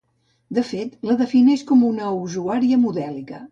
De fet, la defineixen com una usuària modèlica.